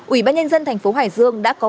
ủy ban nhân dân tp hải dương đã có